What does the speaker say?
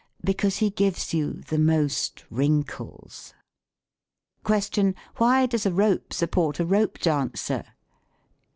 Because he gives you the most lorinkles. Q. Why docs a rope support a rope dancer?